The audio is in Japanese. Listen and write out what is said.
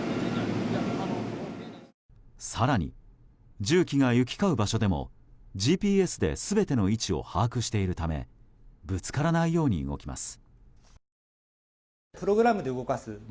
更に重機が行き交う場所でもＧＰＳで全ての位置を把握しているためぶつからないように動きます。